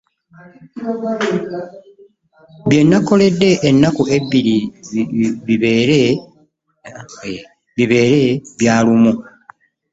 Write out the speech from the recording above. Byenakoledde enaku ebbiri bibeere byalumu .